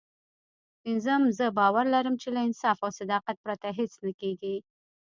پينځم زه باور لرم چې له انصاف او صداقت پرته هېڅ نه کېږي.